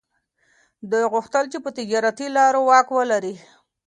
دوی غوښتل چي پر تجارتي لارو واک ولري.